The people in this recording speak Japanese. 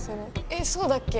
えっそうだっけ？